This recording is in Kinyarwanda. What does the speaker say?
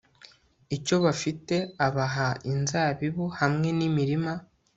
icyo bafite abaha inzabibu hamwe n imirima